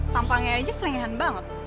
tampangnya aja selingihan banget